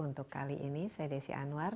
untuk kali ini saya desi anwar